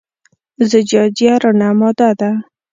زجاجیه رڼه ماده ده.